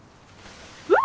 ・うわ。